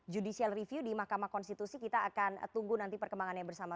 judicial review di mahkamah konstitusi kita akan tunggu nanti perkembangannya bersama